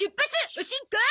おしんこう！